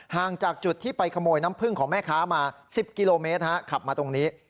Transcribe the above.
ห่างจากจุดที่ไปขโมยน้ำผึ้งของแม่ค้ามา๑๐กิโลเมตรขับมาตรงนี้